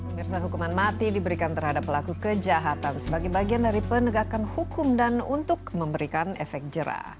pemirsa hukuman mati diberikan terhadap pelaku kejahatan sebagai bagian dari penegakan hukum dan untuk memberikan efek jerah